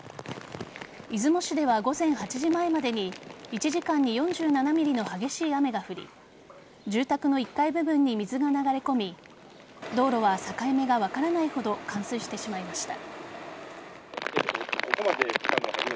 出雲市では午前８時前までに１時間に４７ｍｍの激しい雨が降り住宅の１階部分に水が流れ込み道路は境目が分からないほど冠水してしまいました。